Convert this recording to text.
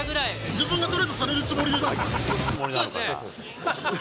自分がトレードされるつもりそうですね。